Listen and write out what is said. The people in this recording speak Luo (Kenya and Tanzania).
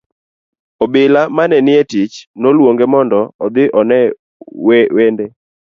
Obila mane nitie e tich noluonge mondo odhi one wende.